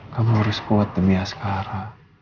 kamu harus kuat demi askara